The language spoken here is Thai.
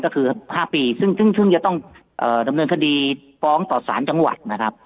ก็คือ๕ปีซึ่งจะต้องดำเนินคดีฟ้องต่อสารจังหวัดนะครับ